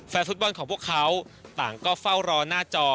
ฟุตบอลของพวกเขาต่างก็เฝ้ารอหน้าจอ